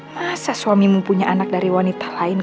masa suamimu punya anak dari wanita lain